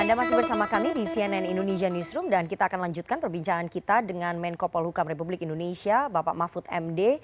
anda masih bersama kami di cnn indonesia newsroom dan kita akan lanjutkan perbincangan kita dengan menko polhukam republik indonesia bapak mahfud md